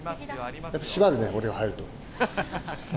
締まるね、俺が入ると。